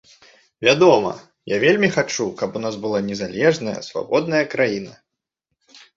Вядома, я вельмі хачу, каб у нас была незалежная, свабодная краіна.